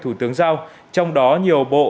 thủ tướng giao trong đó nhiều bộ